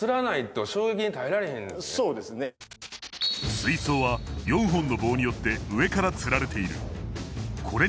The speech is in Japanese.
水槽は４本の棒によって上から吊られている。